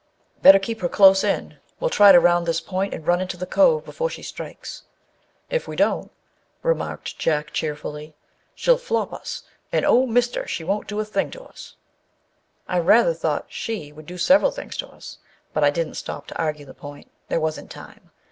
"Better keep her close in. We'll try to round this point and run into the cove before she strikes." " If we don't," remarked Jack cheerfully, " she'll flop us ; and, oh mister, she won't do a thing to us I" I rather thought "she" would do several things to us, but I didn't stop to argue the point â there wasn't time.